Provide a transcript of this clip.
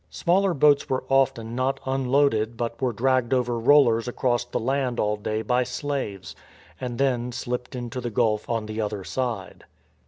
Smaller boats were often not unloaded but were dragged over rollers across the land all day by slaves, and then slipped into the gulf on the other side.